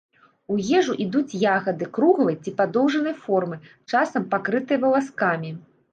У ежу ідуць ягады круглай ці падоўжанай формы, часам пакрытыя валаскамі.